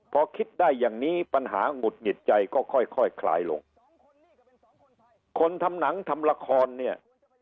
พอคิดได้อย่างนี้